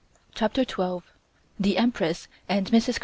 CHAPTER TWELVE THE EMPRESS AND MRS.